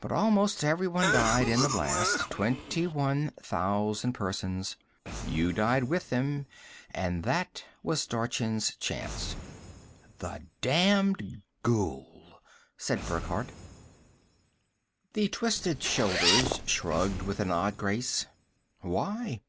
But almost everyone died in the blast, twenty one thousand persons. You died with them and that was Dorchin's chance." "The damned ghoul!" said Burckhardt. The twisted shoulders shrugged with an odd grace. "Why?